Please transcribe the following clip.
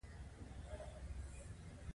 انجینران ودانیو او پروسو ته پرمختګ ورکوي.